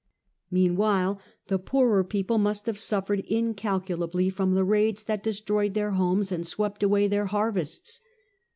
Meanwhile the poorer people must have suffered in calculably from the raids that destroyed their homes and swept away their harvests.